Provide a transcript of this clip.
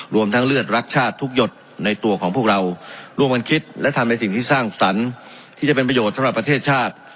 รวมทั้งเลือดรักชาติทุกหยดในตัวของพวกเราร่วมกันคิดและทำในสิ่งที่สร้างสรรค์ที่จะเป็นประโยชน์สำหรับประเทศชาติ